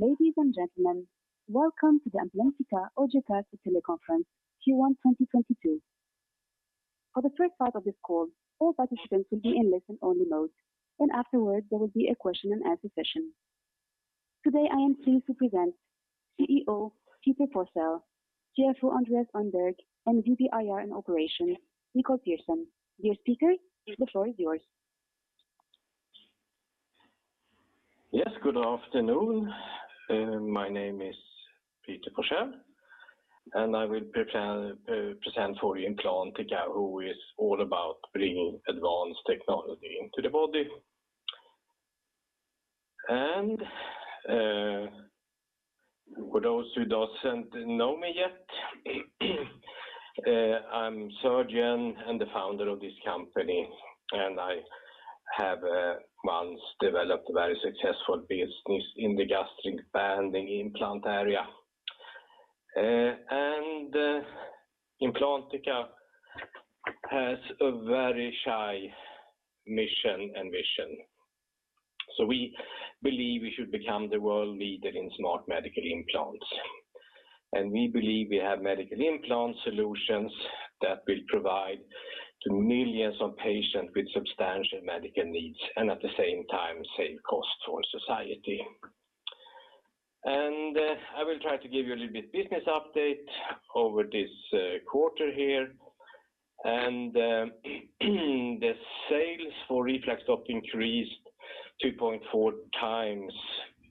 Ladies and gentlemen, welcome to the Implantica Audiocast with teleconference, Q1 2022. For the first part of this call, all participants will be in listen only mode, then afterwards there will be a question and answer session. Today, I am pleased to present CEO Peter Forsell, CFO Andreas Öhrnberg, and VP IR and Operations Nicole Pehrsson. Dear speakers, the floor is yours. Yes, good afternoon. My name is Peter Forsell, and I will present for you Implantica, who is all about bringing advanced technology into the body. For those who doesn't know me yet, I'm surgeon and the founder of this company, and I have once developed a very successful business in the gastric banding implant area. Implantica has a very high mission and vision. We believe we should become the world leader in smart medical implants. We believe we have medical implant solutions that will provide to millions of patients with substantial medical needs, and at the same time save costs for society. I will try to give you a little bit business update over this quarter here. The sales for RefluxStop increased 2.4x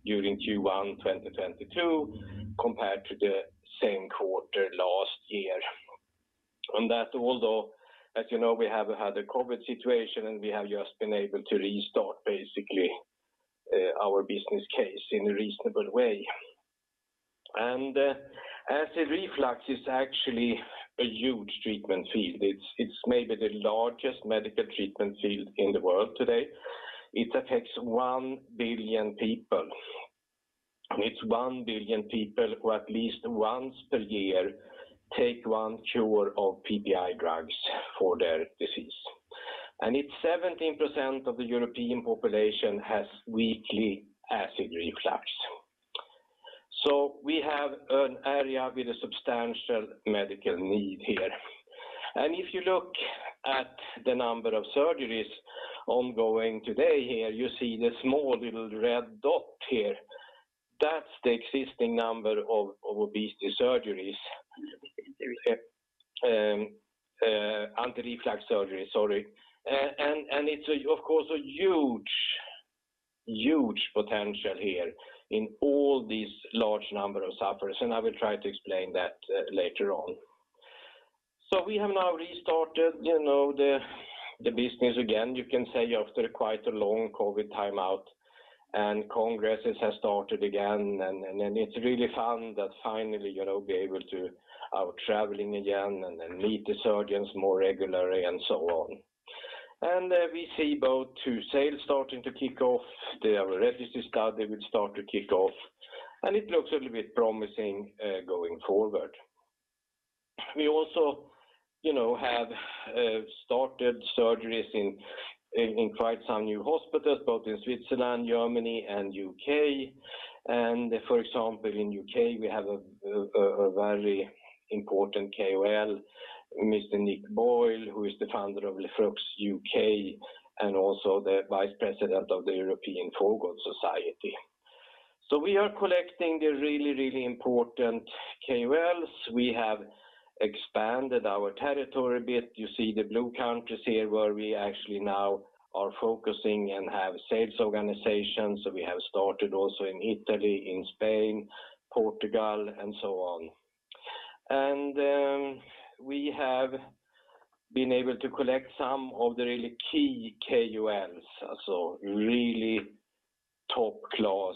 during Q1 2022 compared to the same quarter last year. That although, as you know, we have had a COVID situation, and we have just been able to restart, basically, our business case in a reasonable way. Acid reflux is actually a huge treatment field. It's maybe the largest medical treatment field in the world today. It affects 1 billion people. It's 1 billion people who at least once per year take one cure of PPI drugs for their disease. It's 17% of the European population has weekly acid reflux. We have an area with a substantial medical need here. If you look at the number of surgeries ongoing today here, you see the small little red dot here. That's the existing number of obesity surgeries. Anti-reflux surgeries, sorry. It's, of course, a huge potential here in all these large number of sufferers, and I will try to explain that later on. We have now restarted, you know, the business again, you can say, after quite a long COVID timeout. Congresses have started again, and it's really fun that finally, you know, we are traveling again and then meet the surgeons more regularly and so on. We see both two sales starting to kick off. The other registry study will start to kick off. It looks a little bit promising going forward. We also, you know, have started surgeries in quite some new hospitals, both in Switzerland, Germany, and U.K. For example, in U.K., we have a very important KOL, Mr. Nick Boyle, who is the founder of RefluxUK and also the Vice President of the European Foregut Society. We are collecting the really important KOLs. We have expanded our territory a bit. You see the blue countries here where we actually now are focusing and have sales organizations. We have started also in Italy, in Spain, Portugal, and so on. We have been able to collect some of the really key KOLs. Really top-class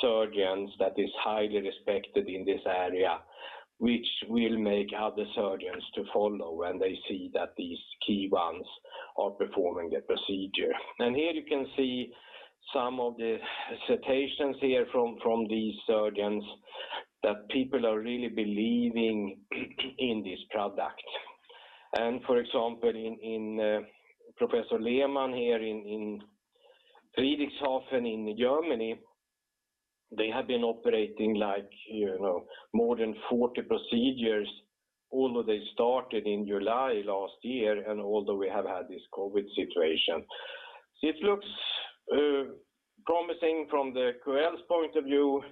surgeons that is highly respected in this area, which will make other surgeons to follow when they see that these key ones are performing the procedure. Here you can see some of the citations here from these surgeons that people are really believing in this product. For example, in Professor Lehmann here in Friedrichshafen in Germany, they have been operating like, you know, more than 40 procedures, although they started in July last year and although we have had this COVID situation. It looks promising from the KOL's point of view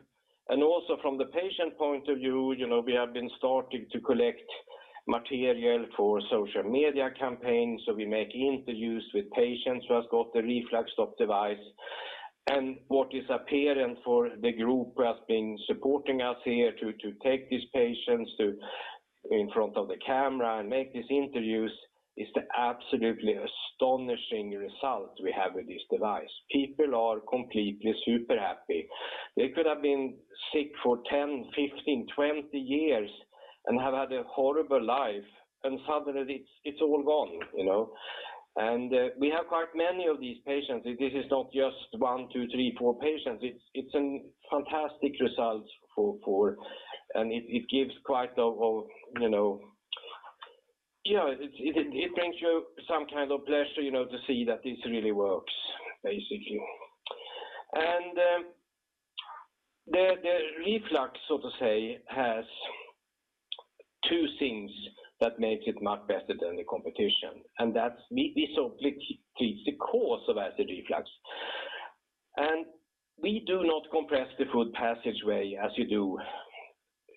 and also from the patient point of view. You know, we have been starting to collect material for social media campaigns. We make interviews with patients who has got the RefluxStop device. What is apparent for the group who has been supporting us here to take these patients in front of the camera and make these interviews is the absolutely astonishing result we have with this device. People are completely super happy. They could have been sick for 10 years, 15 years, 20 years and have had a horrible life, and suddenly it's all gone, you know. We have quite many of these patients. This is not just one, two, three, four patients. It's a fantastic result, and it brings you some kind of pleasure, you know, to see that this really works, basically. The Reflux, so to say, has two things that makes it much better than the competition. That's we so treats the cause of acid reflux. We do not compress the food passageway as you do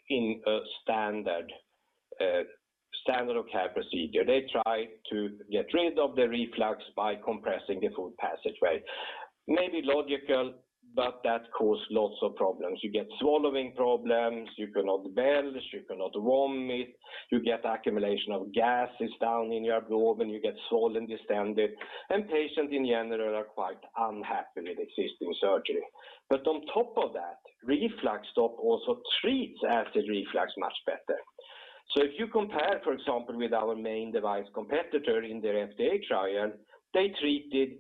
in a standard standard of care procedure. They try to get rid of the reflux by compressing the food passageway. Maybe logical, but that cause lots of problems. You get swallowing problems, you cannot binge, you cannot vomit, you get accumulation of gases down in your gut, and you get swollen, distended. Patients in general are quite unhappy with existing surgery. On top of that, RefluxStop also treats acid reflux much better. If you compare, for example, with our main device competitor in their FDA trial, they treated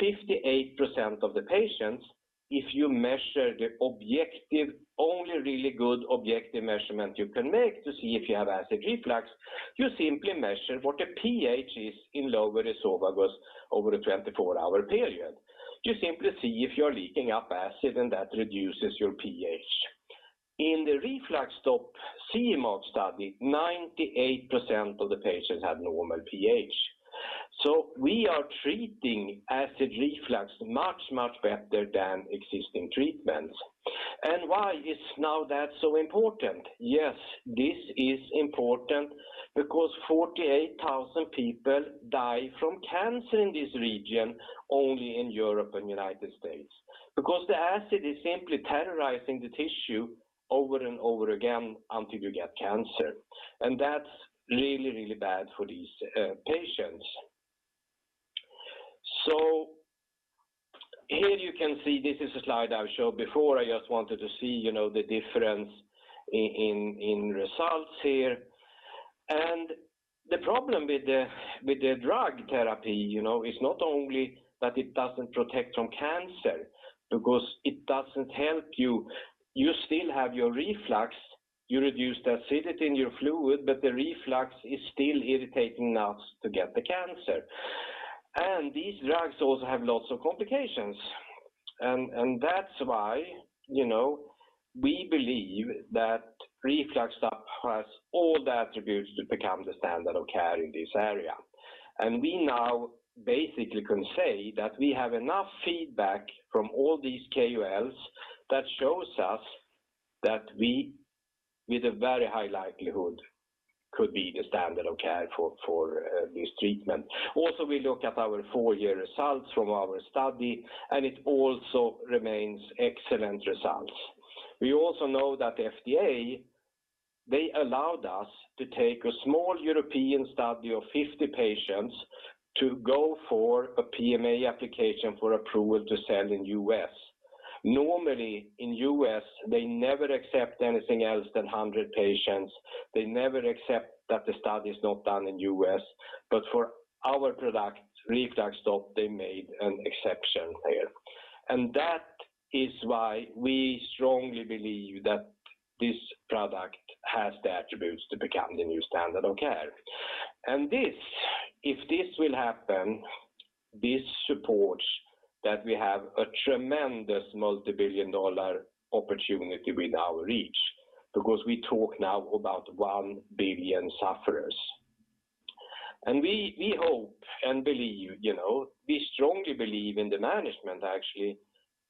58% of the patients. If you measure the only really good objective measurement you can make to see if you have acid reflux, you simply measure what the pH is in lower esophagus over a 24-hour period. You simply see if you're leaking up acid and that reduces your pH. In the RefluxStop CE-marked study, 98% of the patients had normal pH. We are treating acid reflux much, much better than existing treatments. Why is that so important now? Yes, this is important because 48,000 people die from cancer in this region only in Europe and the United States. Because the acid is simply terrorizing the tissue over and over again until you get cancer. That's really, really bad for these patients. Here you can see, this is a slide I've showed before. I just wanted to see, you know, the difference in results here. The problem with the drug therapy, you know, is not only that it doesn't protect from cancer because it doesn't help you. You still have your reflux. You reduce the acidity in your fluid, but the reflux is still irritating enough to get the cancer. These drugs also have lots of complications. That's why, you know, we believe that RefluxStop has all the attributes to become the standard of care in this area. We now basically can say that we have enough feedback from all these KOLs that shows us that we, with a very high likelihood, could be the standard of care for this treatment. Also, we look at our four-year results from our study, and it also remains excellent results. We also know that FDA, they allowed us to take a small European study of 50 patients to go for a PMA application for approval to sell in U.S. Normally, in U.S., they never accept anything else than 100 patients. They never accept that the study is not done in U.S. For our product, RefluxStop, they made an exception there. That is why we strongly believe that this product has the attributes to become the new standard of care. This, if this will happen, this supports that we have a tremendous multibillion-dollar opportunity within our reach because we talk now about 1 billion sufferers. We hope and believe, you know, we strongly believe in the management actually,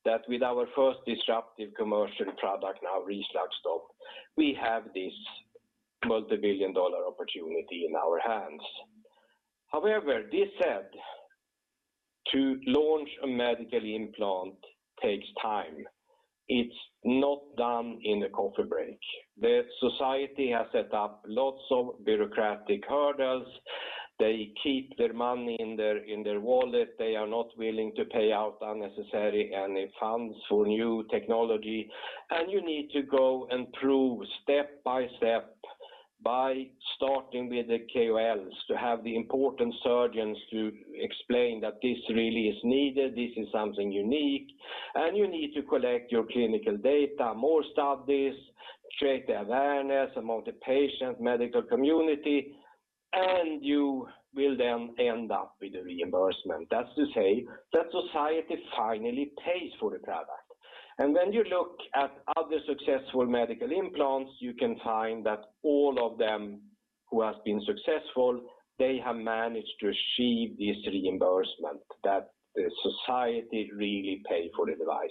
that with our first disruptive commercial product now, RefluxStop, we have this multibillion-dollar opportunity in our hands. However, this said, to launch a medical implant takes time. It's not done in a coffee break. The society has set up lots of bureaucratic hurdles. They keep their money in their wallet. They are not willing to pay out unnecessary any funds for new technology. You need to go and prove step by step by starting with the KOLs to have the important surgeons to explain that this really is needed, this is something unique. You need to collect your clinical data, more studies, create the awareness among the patient, medical community, and you will then end up with a reimbursement. That's to say that society finally pays for the product. When you look at other successful medical implants, you can find that all of them who has been successful, they have managed to achieve this reimbursement, that the society really pay for the device.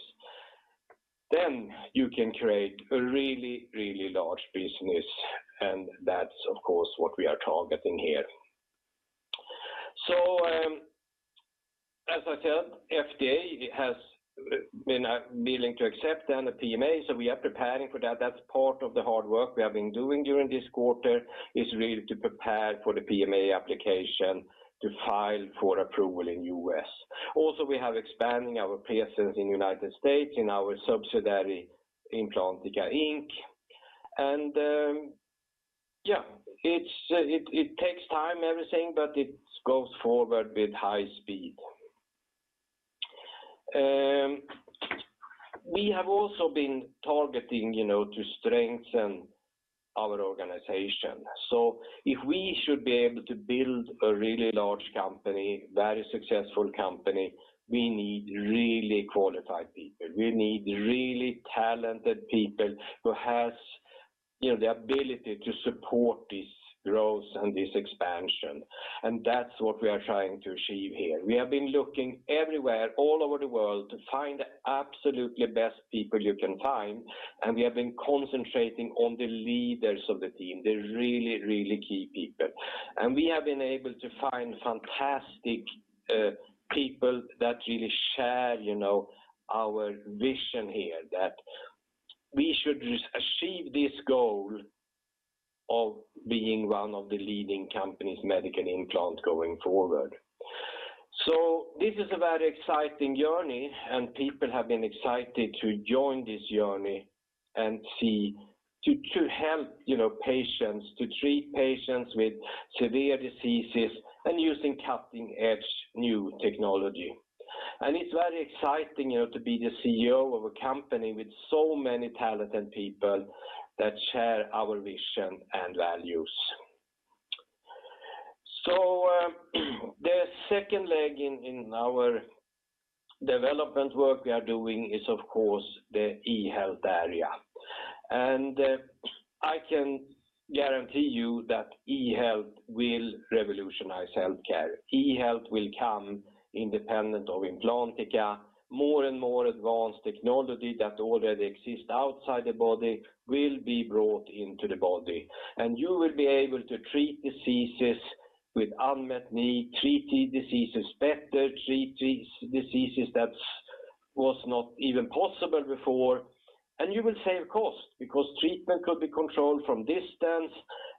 You can create a really, really large business, and that's of course what we are targeting here. As I said, FDA has been willing to accept then a PMA, so we are preparing for that. That's part of the hard work we have been doing during this quarter is really to prepare for the PMA application to file for approval in U.S. We have expanding our presence in United States in our subsidiary, Implantica Inc. It takes time, everything, but it goes forward with high speed. We have also been targeting, you know, to strengthen our organization. If we should be able to build a really large company, very successful company, we need really qualified people. We need really talented people who has, you know, the ability to support this growth and this expansion. That's what we are trying to achieve here. We have been looking everywhere all over the world to find the absolutely best people you can find, and we have been concentrating on the leaders of the team, the really, really key people. We have been able to find fantastic people that really share, you know, our vision here, that we should just achieve this goal of being one of the leading companies in medical implants going forward. This is a very exciting journey, and people have been excited to join this journey to help, you know, patients, to treat patients with severe diseases and using cutting-edge new technology. It's very exciting, you know, to be the CEO of a company with so many talented people that share our vision and values. The second leg in our development work we are doing is of course the eHealth area. I can guarantee you that eHealth will revolutionize healthcare. eHealth will come independent of Implantica. More and more advanced technology that already exists outside the body will be brought into the body. You will be able to treat diseases with unmet need, treat diseases better, treat diseases that was not even possible before. You will save costs because treatment could be controlled from distance,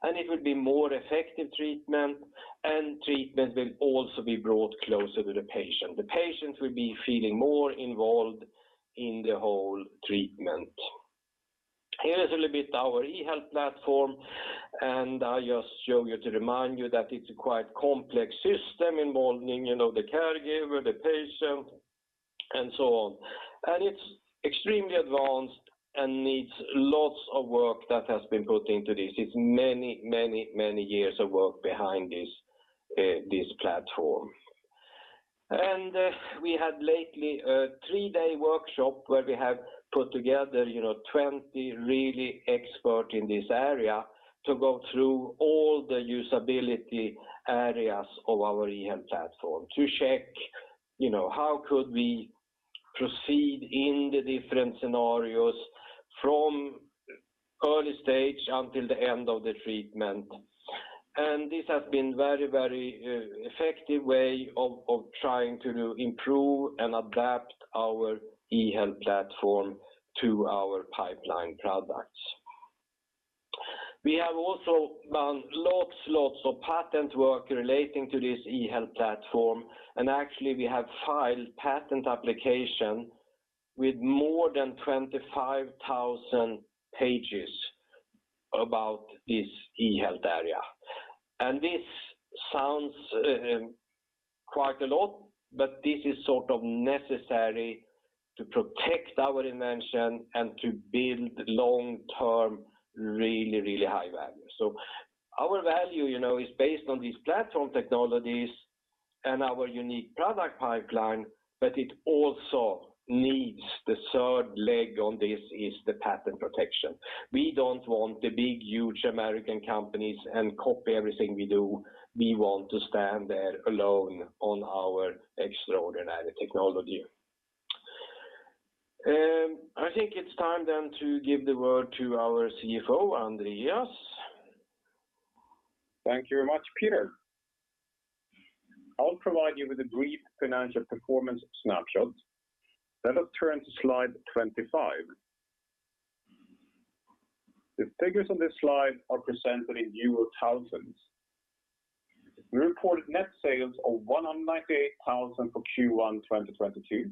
and it would be more effective treatment, and treatment will also be brought closer to the patient. The patient will be feeling more involved in the whole treatment. Here is a little bit our eHealth platform, and I just show you to remind you that it's a quite complex system involving, you know, the caregiver, the patient, and so on. It's extremely advanced and needs lots of work that has been put into this. It's many, many, many years of work behind this platform. We had lately a three-day workshop where we have put together, you know, 20 really expert in this area to go through all the usability areas of our eHealth platform to check, you know, how could we proceed in the different scenarios from early stage until the end of the treatment. This has been very effective way of trying to improve and adapt our eHealth platform to our pipeline products. We have also done lots and lots of patent work relating to this eHealth platform, and actually we have filed patent application with more than 25,000 pages about this eHealth area. This sounds quite a lot, but this is sort of necessary to protect our invention and to build long-term really high value. Our value, you know, is based on these platform technologies and our unique product pipeline, but it also needs the third leg on this is the patent protection. We don't want the big, huge American companies to copy everything we do. We want to stand there alone on our extraordinary technology. I think it's time then to give the word to our CFO, Andreas Öhrnberg. Thank you very much, Peter. I'll provide you with a brief financial performance snapshot. Let us turn to slide 25. The figures on this slide are presented in euro thousands. We reported net sales of 198 thousand for Q1 2022,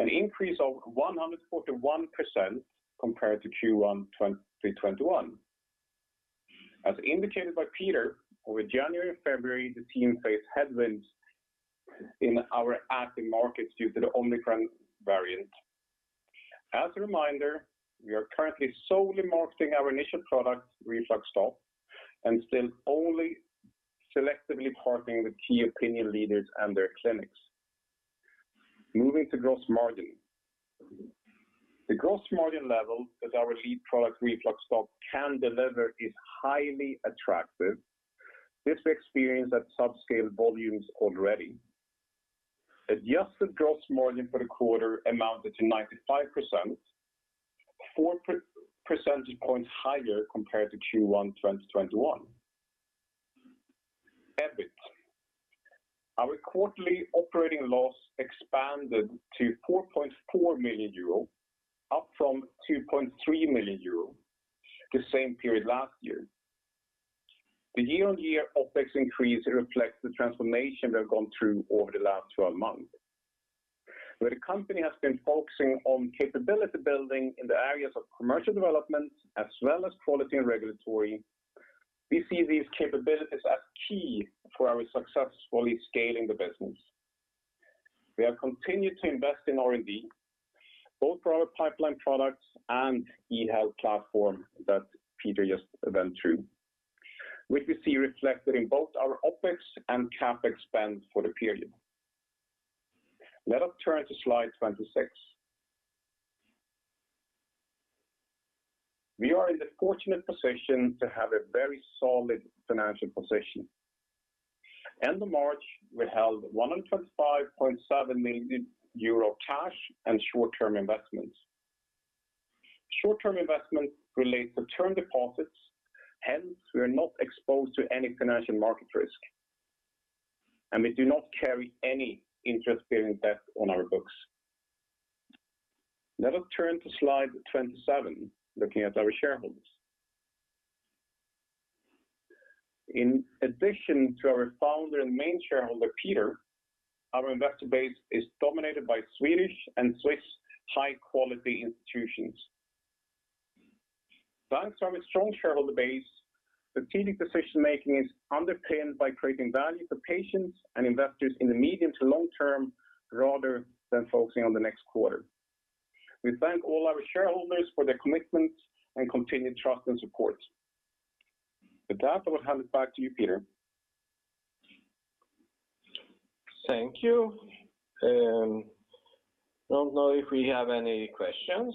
an increase of 141% compared to Q1 2021. As indicated by Peter, over January and February, the team faced headwinds in our active markets due to the Omicron variant. As a reminder, we are currently solely marketing our initial product, RefluxStop, and still only selectively partnering with key opinion leaders and their clinics. Moving to gross margin. The gross margin level that our lead product, RefluxStop, can deliver is highly attractive. This we experience at subscale volumes already. Adjusted gross margin for the quarter amounted to 95%, 4 percentage points higher compared to Q1 2021. EBIT. Our quarterly operating loss expanded to 4.4 million euro, up from 2.3 million euro the same period last year. The year-on-year OpEx increase reflects the transformation we have gone through over the last 12 months. Where the company has been focusing on capability building in the areas of commercial development as well as quality and regulatory. We see these capabilities as key for our successfully scaling the business. We have continued to invest in R&D, both for our pipeline products and eHealth platform that Peter just went through, which we see reflected in both our OpEx and CapEx spend for the period. Let us turn to slide 26. We are in the fortunate position to have a very solid financial position. End of March, we held 125.7 million euro cash and short-term investments. Short-term investments relate to term deposits, hence we are not exposed to any financial market risk, and we do not carry any interest-bearing debt on our books. Let us turn to slide 27, looking at our shareholders. In addition to our founder and main shareholder, Peter, our investor base is dominated by Swedish and Swiss high-quality institutions. Thanks to our strong shareholder base, strategic decision-making is underpinned by creating value for patients and investors in the medium to long term rather than focusing on the next quarter. We thank all our shareholders for their commitment and continued trust and support. With that, I will hand it back to you, Peter. Thank you. Don't know if we have any questions.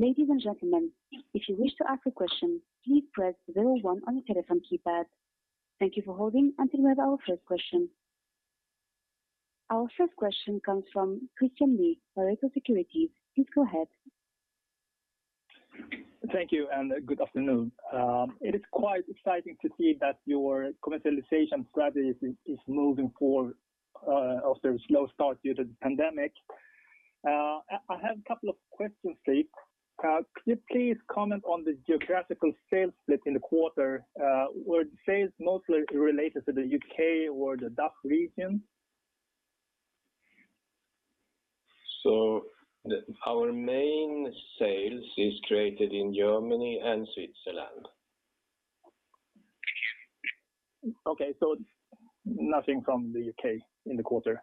Ladies and gentlemen, if you wish to ask a question, please press zero-one on your telephone keypad. Thank you for holding until we have our first question. Our first question comes from Christian Lee, Pareto Securities. Please go ahead. Thank you, and good afternoon. It is quite exciting to see that your commercialization strategy is moving forward, after a slow start due to the pandemic. I have a couple of questions for you. Could you please comment on the geographical sales split in the quarter? Were sales mostly related to the U.K. or the DACH region? Our main sales is created in Germany and Switzerland. Okay. Nothing from the U.K. in the quarter.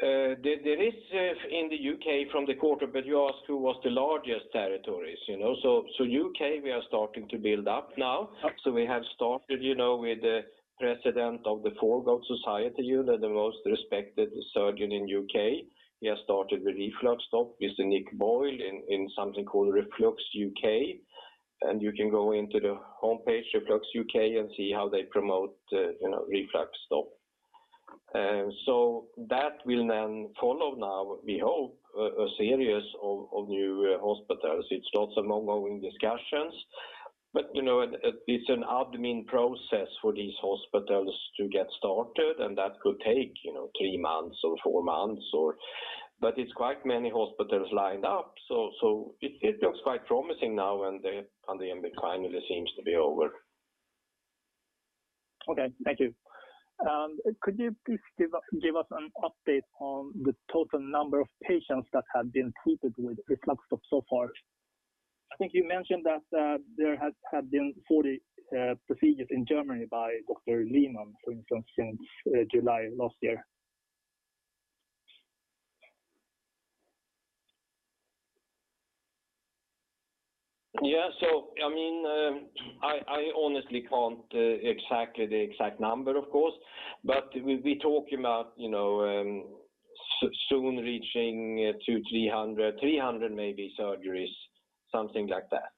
There is sales in the U.K. from the quarter, but you asked who was the largest territories, you know. U.K. we are starting to build up now. Okay. We have started, you know, with the president of the European Foregut Society, you know, the most respected surgeon in U.K. He has started with RefluxStop, Mr. Nick Boyle, in something called RefluxUK. You can go into the homepage, RefluxUK, and see how they promote, you know, RefluxStop. That will then follow now, we hope, a series of new hospitals. It's lots of ongoing discussions. You know, it's an admin process for these hospitals to get started, and that could take, you know, three months or four months. It's quite many hospitals lined up, so it looks quite promising now and the pandemic finally seems to be over. Okay. Thank you. Could you please give us an update on the total number of patients that have been treated with RefluxStop so far? I think you mentioned that there have been 40 procedures in Germany by Dr. Lehmann, for instance, since July last year. Yeah. I mean, I honestly can't the exact number, of course, but we talking about, you know, soon reaching 200-300, 300 maybe surgeries, something like that.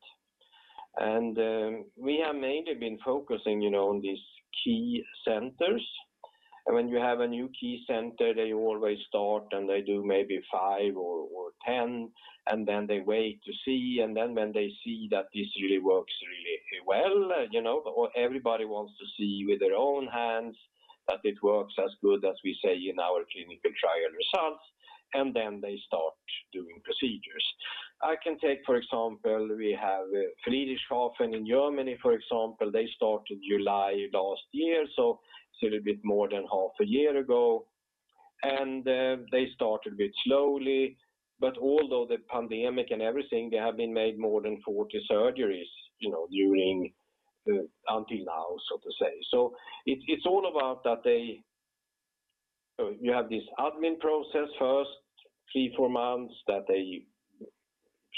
We have mainly been focusing, you know, on these key centers. When you have a new key center, they always start, and they do maybe five or 10, and then they wait to see. Then when they see that this really works well, you know, everybody wants to see with their own hands that it works as good as we say in our clinical trial results, and then they start doing procedures. I can take, for example, we have Friedrichshafen in Germany, for example. They started July last year, so it's a little bit more than half a year ago. They started a bit slowly, but although the pandemic and everything, they have made more than 40 surgeries, you know, up until now, so to say. It's all about that they have this admin process first, 3-4 months, that they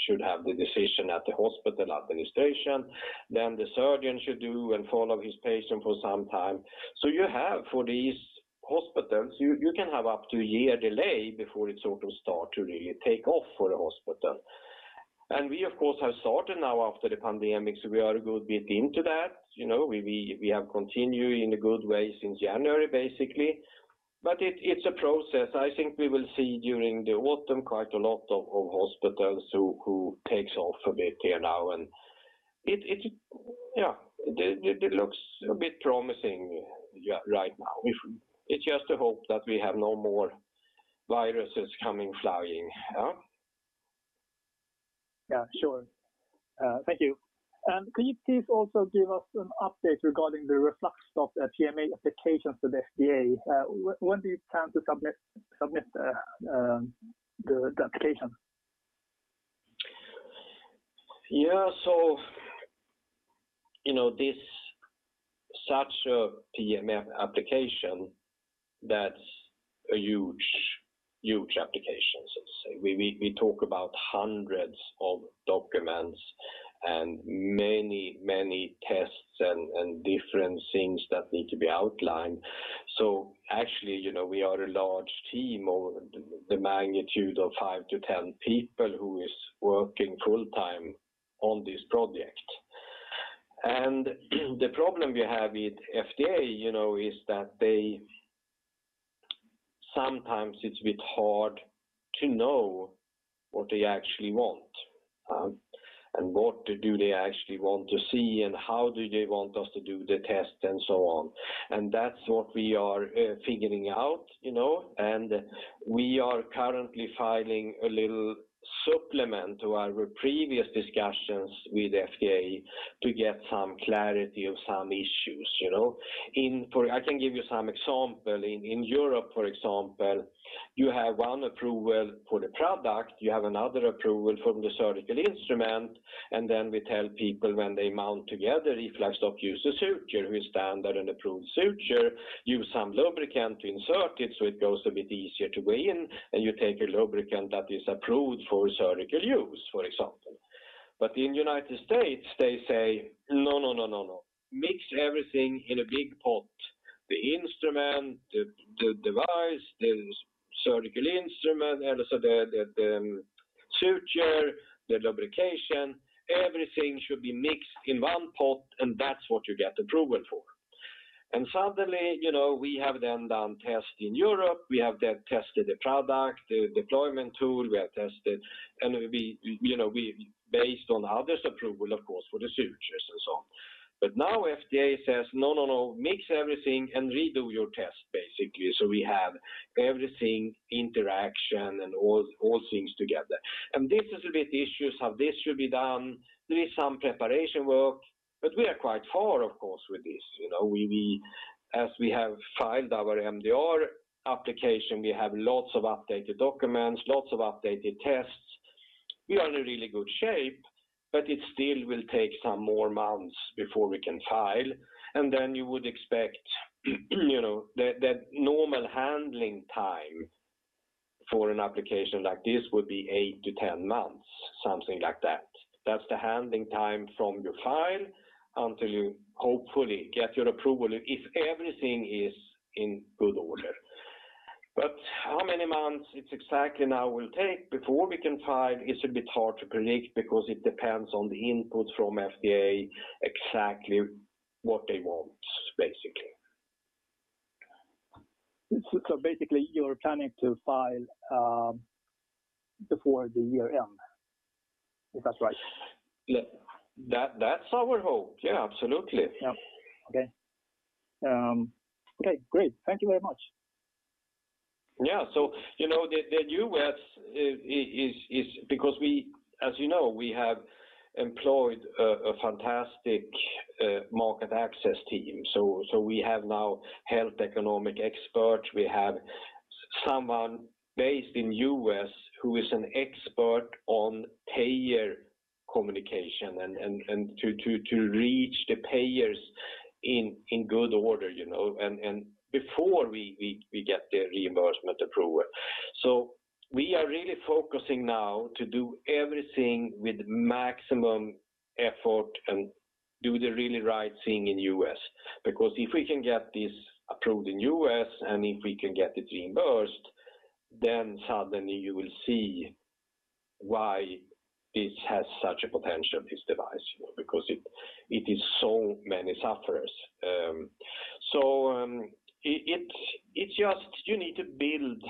should have the decision at the hospital administration. Then the surgeon should do and follow his patient for some time. You have for these hospitals, you can have up to a year delay before it sort of start to really take off for the hospital. We of course have started now after the pandemic, so we are a good bit into that. You know, we have continued in a good way since January, basically. It's a process. I think we will see during the autumn quite a lot of hospitals who takes off a bit here now. It looks a bit promising right now. It's just a hope that we have no more viruses coming flying, huh? Yeah, sure. Thank you. Could you please also give us an update regarding the status of the PMA applications to the FDA? When do you plan to submit the application? You know, this is such a PMA application that's a huge application, so to say. We talk about hundreds of documents and many tests and different things that need to be outlined. Actually, you know, we are a large team of the magnitude of 5-10 people who is working full-time on this project. The problem we have with FDA, you know, is that sometimes it's a bit hard to know what they actually want, and what do they actually want to see and how do they want us to do the test and so on. That's what we are figuring out, you know. We are currently filing a little supplement to our previous discussions with FDA to get some clarity of some issues, you know. I can give you some example. In Europe, for example, you have one approval for the product, you have another approval from the surgical instrument, and then we tell people when they mount together, if. Basically, you're planning to file before the year end, if that's right? Yeah. That, that's our hope. Yeah, absolutely. Yeah. Okay. Okay, great. Thank you very much. Yeah. You know, the U.S. is because we as you know, we have employed a fantastic market access team. We have now health economics expert. We have someone based in U.S. who is an expert on payer communication and to reach the payers in good order, you know, and before we get the reimbursement approval. We are really focusing now to do everything with maximum effort and do the really right thing in U.S. Because if we can get this approved in U.S. and if we can get it reimbursed, then suddenly you will see why this has such a potential, this device, you know, because it just you need to build.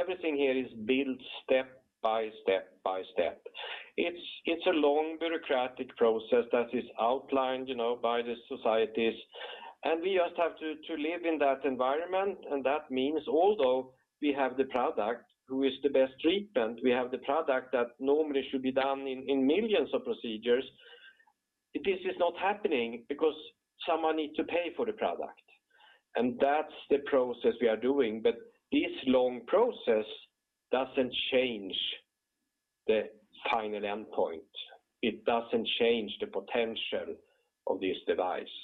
Everything here is built step by step. It's a long bureaucratic process that is outlined, you know, by the societies. We just have to live in that environment. That means although we have the product who is the best treatment, we have the product that normally should be done in millions of procedures, this is not happening because someone needs to pay for the product. That's the process we are doing. This long process doesn't change the final endpoint. It doesn't change the potential of this device.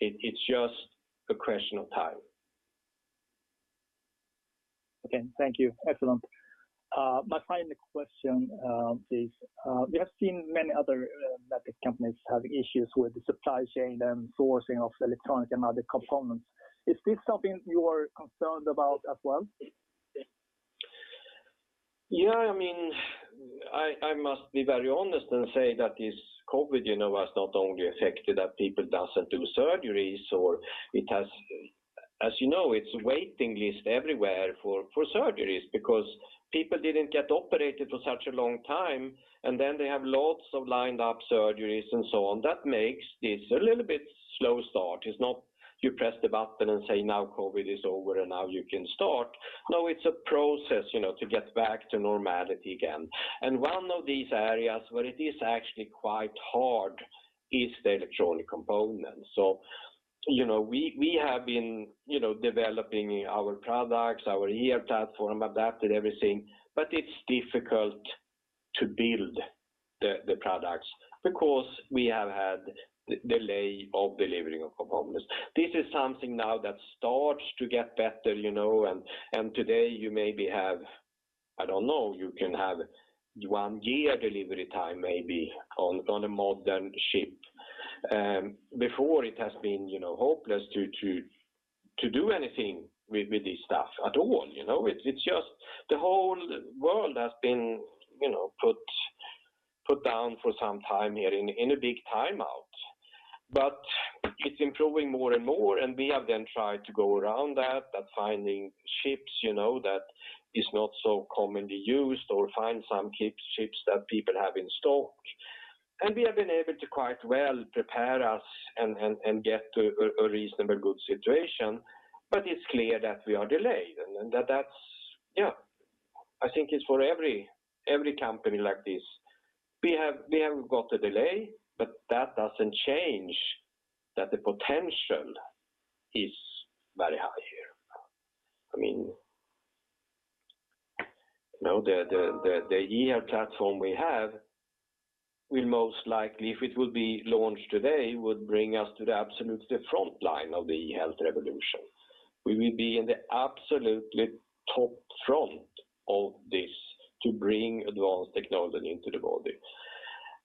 It's just a question of time. Okay. Thank you. Excellent. My final question is, we have seen many other medical companies having issues with the supply chain and sourcing of electronic and other components. Is this something you are concerned about as well? Yeah, I mean, I must be very honest and say that this COVID, you know, has not only affected that people doesn't do surgeries or it has, as you know, it's waiting list everywhere for surgeries because people didn't get operated for such a long time, and then they have lots of lined up surgeries and so on. That makes this a little bit slow start. It's not. You press the button and say, "Now COVID is over, and now you can start." No, it's a process, you know, to get back to normality again. One of these areas where it is actually quite hard is the electronic component. You know, we have been, you know, developing our products, our eHealth platform, adapted everything, but it's difficult to build the products because we have had delays in delivery of components. This is something now that starts to get better, you know. Today you maybe have, I don't know, you can have one year delivery time maybe on a modern chip. Before it has been, you know, hopeless to do anything with this stuff at all, you know. It's just the whole world has been, you know, put down for some time here in a big timeout. It's improving more and more, and we have then tried to go around that finding chips, you know, that is not so commonly used or find some chips that people have in stock. We have been able to quite well prepare us and get to a reasonable good situation. It's clear that we are delayed and that's. I think it's for every company like this. We have got a delay, but that doesn't change that the potential is very high here. I mean, you know, the eHealth platform we have will most likely, if it will be launched today, would bring us to the absolutely front line of the eHealth revolution. We will be in the absolutely top front of this to bring advanced technology into the body.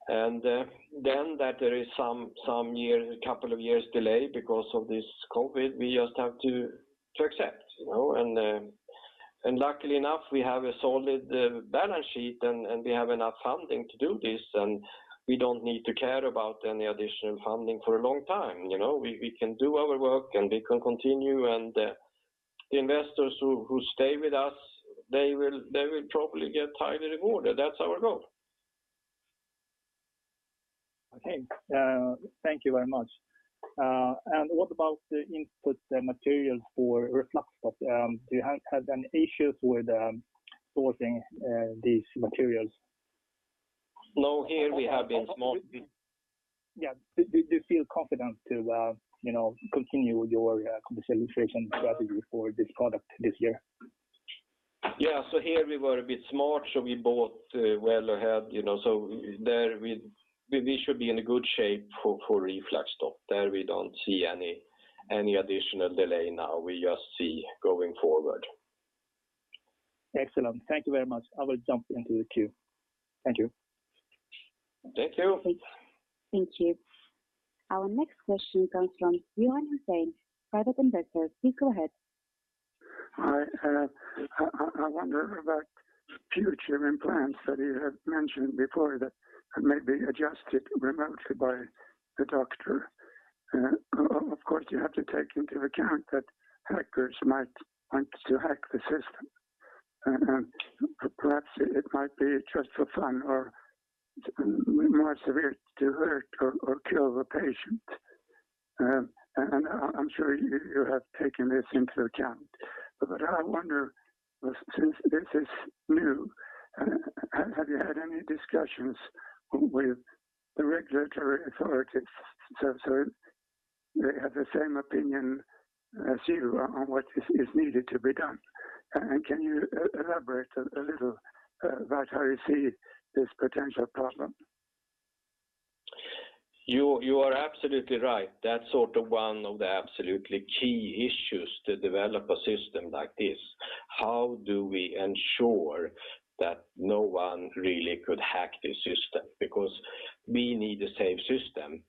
Then that there is some year, couple of years delay because of this COVID, we just have to accept, you know. Luckily enough, we have a solid balance sheet, and we have enough funding to do this, and we don't need to care about any additional funding for a long time. You know, we can do our work, and we can continue. The investors who stay with us, they will probably get highly rewarded. That's our goal. Okay. Thank you very much. What about the input materials for RefluxStop? Do you have any issues with sourcing these materials? No. Here we have been smart. Yeah. Do you feel confident to, you know, continue your commercialization strategy for this product this year? Yeah. Here we were a bit smart, so we bought well ahead, you know, so there we should be in a good shape for RefluxStop. There we don't see any additional delay now. We just see going forward. Excellent. Thank you very much. I will jump into the queue. Thank you. Thank you. Thank you. Our next question comes from Johan Hussein, private investor. Please go ahead. Hi. I wonder about future implants that you have mentioned before that may be adjusted remotely by the doctor. Of course, you have to take into account that hackers might want to hack the system. Perhaps it might be just for fun or more severe to hurt or kill the patient. I'm sure you have taken this into account. I wonder, since this is new, have you had any discussions with the regulatory authorities so they have the same opinion as you on what is needed to be done? Can you elaborate a little about how you see this potential problem? You are absolutely right. That's sort of one of the absolutely key issues to develop a system like this. How do we ensure that no one really could hack the system? Because we need a safe system.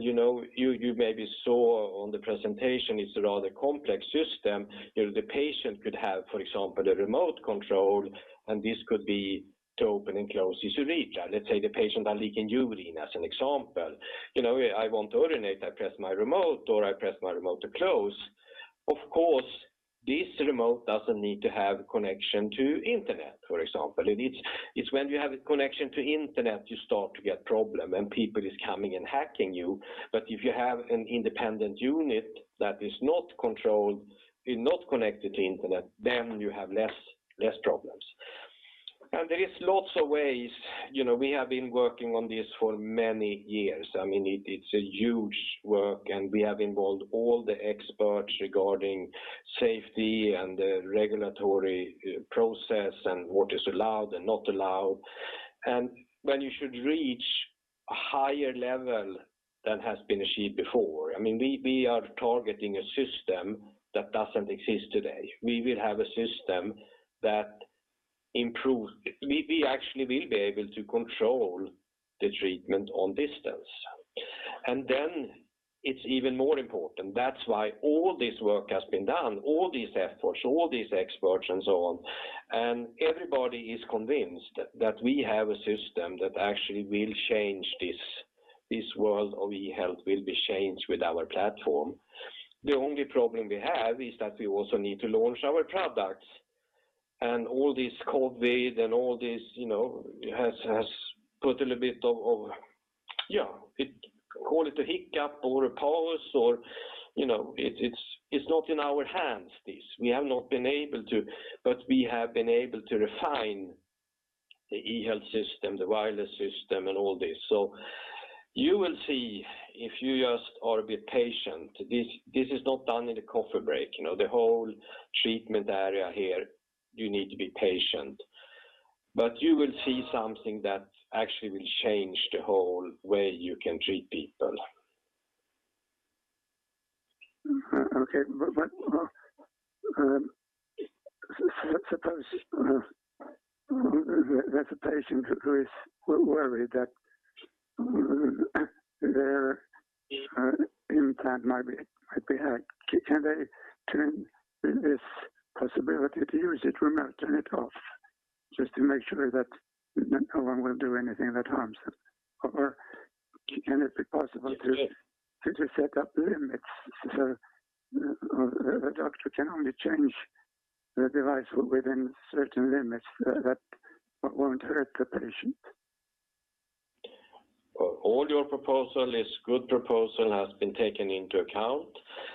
You know, you maybe saw on the presentation it's a rather complex system. You know, the patient could have, for example, a remote control, and this could be to open and close his urethra. Let's say the patient are leaking urine as an example. You know, I want to urinate, I press my remote, or I press my remote to close. Of course, this remote doesn't need to have connection to internet, for example. It is. It's when you have a connection to internet, you start to get problem, and people is coming and hacking you. If you have an independent unit that is not controlled, is not connected to internet, then you have less problems. There is lots of ways. You know, we have been working on this for many years. I mean, it's a huge work, and we have involved all the experts regarding safety and the regulatory process and what is allowed and not allowed. When you should reach a higher level than has been achieved before. I mean, we are targeting a system that doesn't exist today. We will have a system that improves. We actually will be able to control the treatment on distance. It's even more important. That's why all this work has been done, all these efforts, all these experts and so on. Everybody is convinced that we have a system that actually will change this. This world of eHealth will be changed with our platform. The only problem we have is that we also need to launch our products. All this COVID and all this, you know, has put a little bit of a hiccup or a pause or, you know. It's not in our hands, this. We have not been able to, but we have been able to refine the eHealth system, the wireless system, and all this. You will see if you just are a bit patient. This is not done in a coffee break. You know, the whole treatment area here, you need to be patient. You will see something that actually will change the whole way you can treat people. Okay. Suppose there's a patient who is worried that their implant might be hacked. Can they turn off the possibility to use it remotely, turn it off, just to make sure that no one will do anything that harms them? Or can it be possible to set up limits so a doctor can only change the device within certain limits that won't hurt the patient? All your proposal is good proposal, has been taken into account.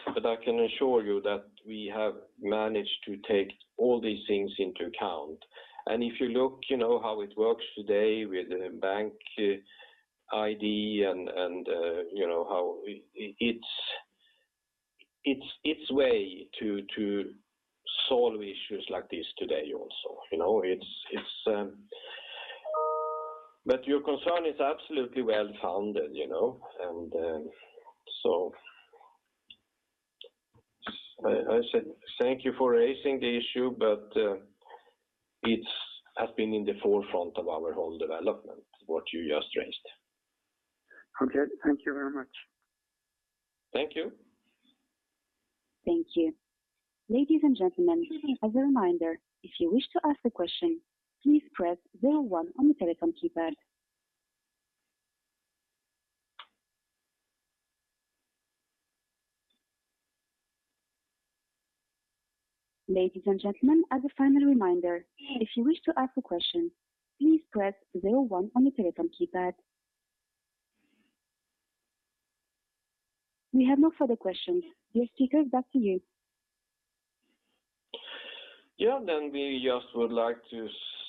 I can assure you that we have managed to take all these things into account. If you look, you know, how it works today with the BankID and you know how it's way to solve issues like this today also, you know. Your concern is absolutely well-founded, you know. I said thank you for raising the issue, but it has been in the forefront of our whole development, what you just raised. Okay. Thank you very much. Thank you. Thank you. Ladies and gentlemen, as a reminder, if you wish to ask a question, please press zero one on the telephone keypad. Ladies and gentlemen, as a final reminder, if you wish to ask a question, please press zero one on the telephone keypad. We have no further questions. Dear speakers, back to you. Yeah. We just would like to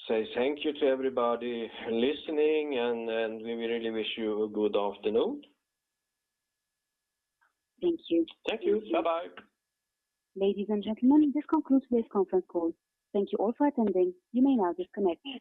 say thank you to everybody listening, and we really wish you a good afternoon. Thank you. Thank you. Bye-bye. Ladies and gentlemen, this concludes today's conference call. Thank you all for attending. You may now disconnect.